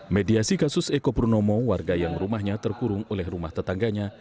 mediasi kasus eko purnomo warga yang rumahnya terkurung oleh rumah tetangganya